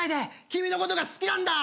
君のことが好きなんだ！